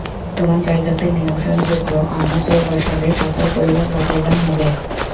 তোমার জায়গাতে নিয়ন্ত্রণ যোগ্য অন্য কেউ বসালে সকল পরিবার, লাভবান হবে।